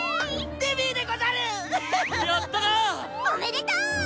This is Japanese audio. おめでとー！